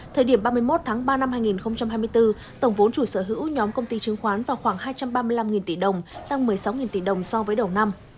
thời điểm ba mươi một tháng ba năm hai nghìn hai mươi bốn tổng vốn chủ sở hữu nhóm công ty chứng khoán vào khoảng hai trăm ba mươi năm tỷ đồng tăng một mươi sáu tỷ đồng so với đầu năm